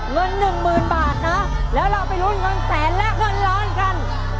เงินหนึ่งหมื่นบาทนะแล้วเราไปลุ้นเงินแสนและเงินล้านกัน